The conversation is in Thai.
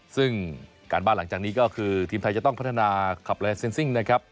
ซึ่งการบ้านหลังจากนี้ก็คือทีมไทยจะต้องพัฒนาขับแลนเซ็นซิ่งนะครับ